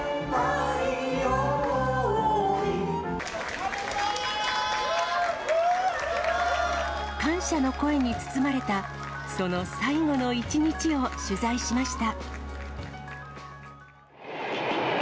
ありがとう。感謝の声に包まれた、その最後の一日を取材しました。